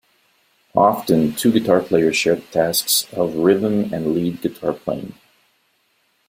Often, two guitar players share the tasks of rhythm and lead guitar playing.